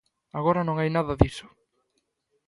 Agora non hai nada diso.